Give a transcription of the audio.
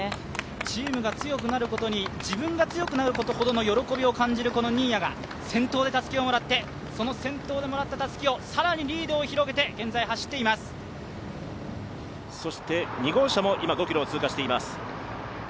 チームが強くなることに、自分が強くなるほどの喜びを感じる新谷が先頭でたすきをもらって、その先頭でもらったたすきを更にリードを広げて２号車も今、５ｋｍを通過しています。